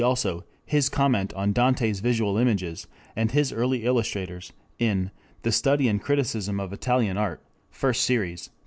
_ also his comment on Dante's Visual Images, and his Early Illustrators in The Study and Criticism of Italian Art (First Series), p.